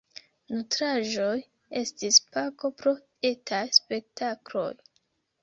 Nutraĵoj estis pago pro etaj spektakloj.